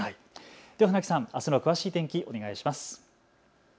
では船木さん、あすの詳しい天気、お願いします。